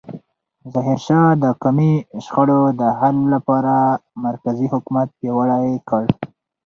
ظاهرشاه د قومي شخړو د حل لپاره مرکزي حکومت پیاوړی کړ.